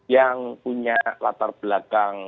yang punya latar belakang